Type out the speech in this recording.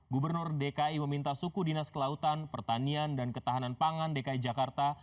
gubernur dki meminta suku dinas kelautan pertanian dan ketahanan pangan dki jakarta